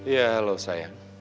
ya allah sayang